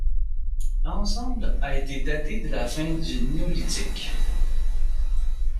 L'ensemble a été daté de la fin du Néolithique.